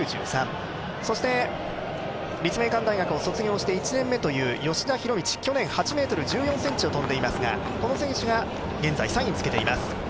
そして立命館大学を卒業して１年目という吉田弘道、去年８ｍ１４ｃｍを跳んでいますがこの選手が現在３位につけています。